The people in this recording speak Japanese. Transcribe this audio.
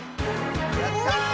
やった！